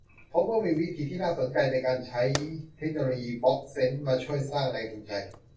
พบว่ามีวิธีที่น่าสนใจโดยการใช้เทคโนโลยีบล็อกเชนจ์มาช่วยสร้างแรงจูงใจ